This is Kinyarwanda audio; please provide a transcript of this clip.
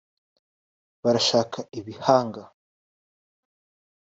barashaka ibihanga